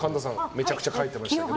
めちゃくちゃ書いてましたけど。